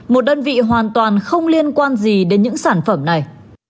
một đơn vị hoàn toàn không liên quan gì đến những sản phẩm này